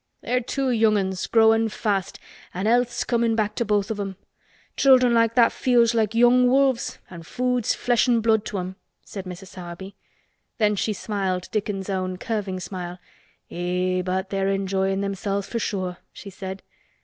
"They're two young 'uns growin' fast, an' health's comin' back to both of 'em. Children like that feels like young wolves an' food's flesh an' blood to 'em," said Mrs. Sowerby. Then she smiled Dickon's own curving smile. "Eh! but they're enjoyin' theirselves for sure," she said.